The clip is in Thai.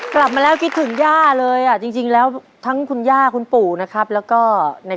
กลับมาแล้วคิดถึงย่าเลยอ่ะจริงแล้วทั้งคุณย่าคุณปู่นะครับแล้วก็ใน